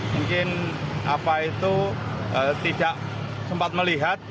mungkin apa itu tidak sempat melihat